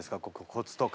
コツとか。